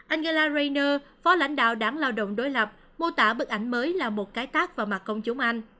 angela rainer phó lãnh đạo đảng lao động đối lập mô tả bức ảnh mới là một cái tác vào mặt công chúng anh